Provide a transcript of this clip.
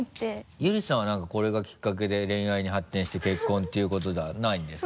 ゆりさんは何かこれがきっかけで恋愛に発展して結婚っていうことじゃないんですか？